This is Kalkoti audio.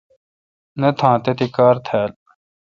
نہ تھان تتھی کار تھال۔